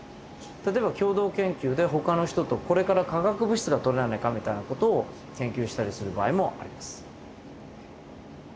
例えば共同研究でほかの人とこれから化学物質がとれないかみたいな事を研究したりする場合もあります。